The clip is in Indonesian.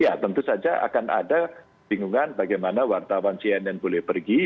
ya tentu saja akan ada bingungan bagaimana wartawan cnn boleh pergi